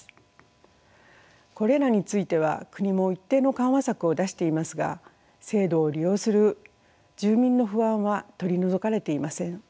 これらについては国も一定の緩和策を出していますが制度を利用する住民の不安は取り除かれていません。